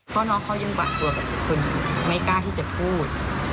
เพราะน้องเขายังหวาดกลัวกับทุกคนไม่กล้าที่จะพูด